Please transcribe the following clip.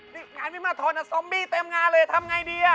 นี่งานไม่มาทอดนะซอมบี้เต็มงานเลยทำไงดี